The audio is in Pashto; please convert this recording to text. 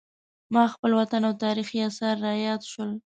ما خپل وطن او تاریخي اثار را یاد شول.